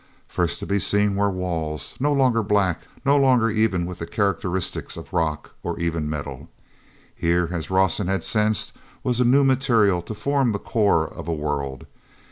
First to be seen were walls, no longer black, no longer even with the characteristics of rock, or even metal. Here, as Rawson had sensed, was new material to form the core of a world.